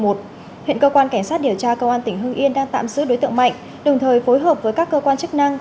huyện cơ quan cảnh sát điều tra công an tp hương yên đang tạm giữ đối tượng mạnh đồng thời phối hợp với các cơ quan chức năng